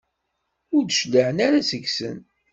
Ur d-cliɛen ara seg-sen.